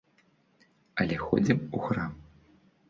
Але ходзім у храм.